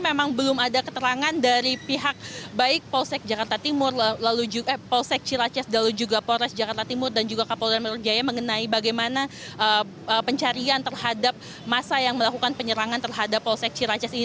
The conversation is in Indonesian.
memang belum ada keterangan dari pihak baik polsek jakarta timur polsek ciracas lalu juga polres jakarta timur dan juga kapolda metro jaya mengenai bagaimana pencarian terhadap masa yang melakukan penyerangan terhadap polsek ciracas ini